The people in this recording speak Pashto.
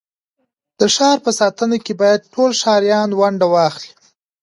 د ښار په ساتنه کي بايد ټول ښاریان ونډه واخلي.